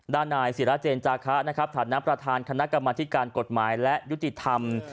ด้านนายศิราเจนจาคะถัดนับประธานคณะกรรมธิการกฎหมายและยุติธรรม